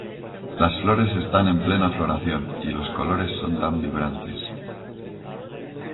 Las flores están en plena floración y los colores son tan vibrantes.